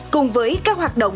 cùng với các hoạt động